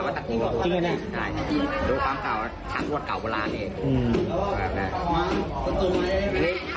วัดตักีวะอ่าวัดตักีวะและใจดูความเจาะฉักกวดเก่าอดานเองอืม